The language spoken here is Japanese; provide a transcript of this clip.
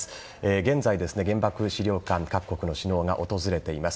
現在、原爆資料館各国の首脳が訪れています。